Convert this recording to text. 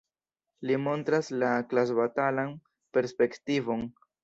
Li montras la klasbatalan perspektivon.